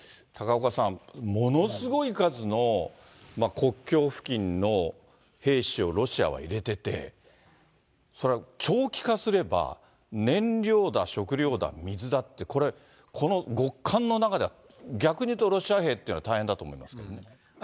高岡さん、ものすごい数の国境付近の兵士をロシアは入れてて、それは長期化すれば、燃料だ、食料だ、水だって、この極寒の中で、逆にいうとロシア兵というのは大変だと思いますけどね。